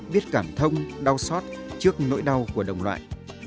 biết cảm thông đau xót trước nỗi đau của đồng loại